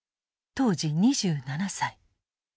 当時２７歳。